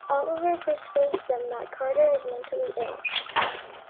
Oliver persuades them that Carter is mentally ill.